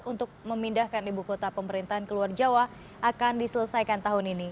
untuk memindahkan ibu kota pemerintahan ke luar jawa akan diselesaikan tahun ini